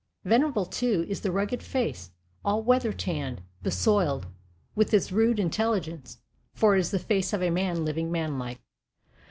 Venerable, too, is the rugged face, all weather tanned, besoiled, with its rude intelligence; for it is the face of a Man living manlike.